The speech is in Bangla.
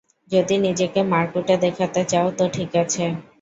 যদি নিজেকে মারকুটে দেখাতে চাও, তো ঠিক আছে।